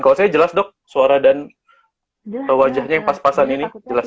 kalau saya jelas dok suara dan wajahnya yang pas pasan ini jelas